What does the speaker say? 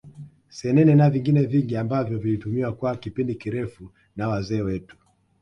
Senene na vingine vingi ambavyo vilitumiwa kwa kipindi kirefu na wazee wetu